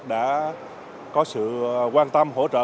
đã có sự quan tâm hỗ trợ